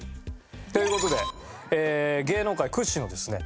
という事で芸能界屈指のですね